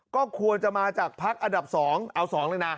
ก็ควรจะมาจากพักอันดับ๒เอา๒เลยนะ